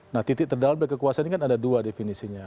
nah titik terdalam dari kekuasaan ini kan ada dua definisinya